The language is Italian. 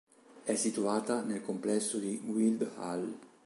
È situata nel complesso di Guildhall.